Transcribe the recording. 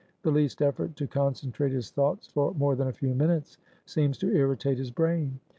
The least effort to concentrate his thoughts for more than a few minutes seems to irritate his brain.